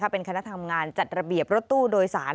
เป็นคณะทำงานจัดระเบียบรถตู้โดยสาร